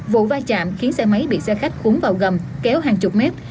vụ vai trạm khiến xe máy bị xe khách khúng vào gầm kéo hàng chục mét